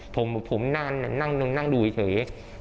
ผมนั่งดูเฉย